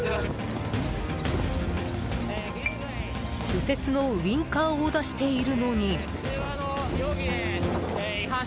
右折のウィンカーを出しているのに。